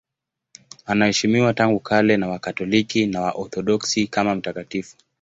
Anaheshimiwa tangu kale na Wakatoliki na Waorthodoksi kama mtakatifu.